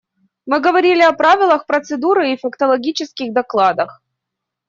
Мы говорили о правилах процедуры и фактологических докладах.